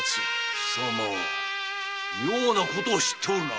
貴様妙なことを知っておるな？